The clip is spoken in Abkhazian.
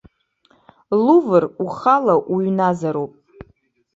Лувр ухала уҩназароуп.